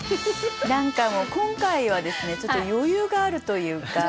今回はですねちょっと余裕があるというか。